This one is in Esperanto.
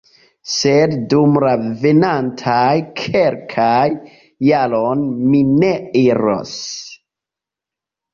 Sed dum la venontaj kelkaj jaroj mi ne iros.